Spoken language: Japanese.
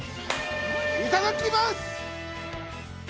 いただきます！